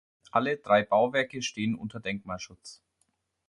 Alle drei Bauwerke stehen unter Denkmalschutz.